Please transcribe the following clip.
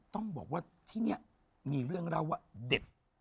ต้องบอกว่าที่นี่มีเรื่องเล่าว่าเด็ด